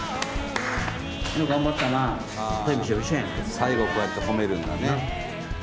最後こうやって褒めるんだね。